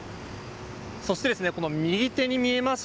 そしてこの右手に見えます